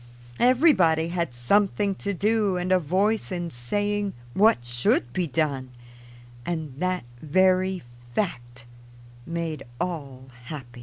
Everybody had something to do and a voice in saying what should be done, and that very fact made all happy.